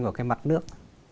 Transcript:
của cái mặt nước